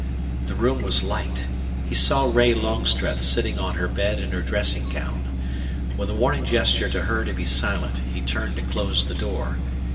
The room was light. He saw Ray Longstreth sitting on her bed in her dressing gown. With a warning gesture to her to be silent he turned to close the door.